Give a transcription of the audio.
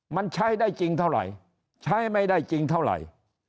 มันใช้ได้จริงเท่าไหร่ใช้ไม่ได้จริงเท่าไหร่